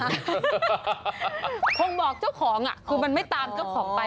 คงบอกเจ้าของคือมันไม่ตามเจ้าของไป